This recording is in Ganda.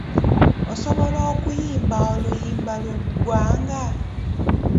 Osobola okuyimba oluyimba lw'eggwanga?